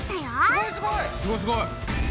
すごいすごい！